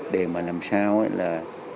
để mà làm sao là